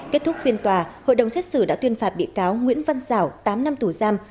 kết thúc phiên tòa hội đồng xét xử đã tuyên phạt bị cáo nguyễn văn giảo tám năm tù giam